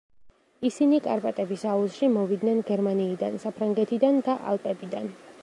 ისინი კარპატების აუზში მოვიდნენ გერმანიიდან, საფრანგეთიდან და ალპებიდან.